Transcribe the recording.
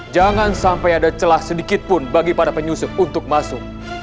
jangan sampai ada celah sedikit pun bagi para penyusup untuk masuk